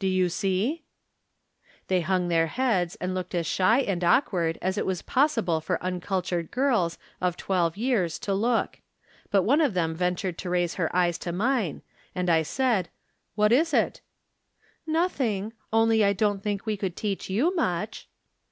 Do you see ?" The}'' hung their heads, and looked as shy and awkward as it is possible for uncultured girls, of twelve years, to look ; but one of them ventured to raise her eyes to mine, and I said :" What is it ?"" Nothing ; only I don't think we could teach you much."